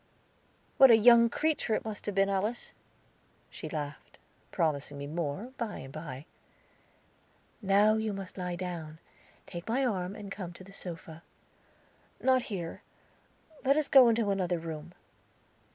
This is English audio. "What a young creature it must have been, Alice!" She laughed, promising me more, by and by. "Now you must lie down. Take my arm and come to the sofa. "Not here; let us go into another room."